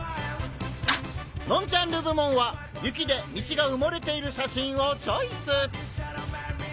「ノンジャンル部門」は雪で道が埋もれている写真をチョイス！